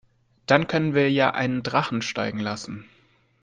Dann können wir ja einen Drachen steigen lassen.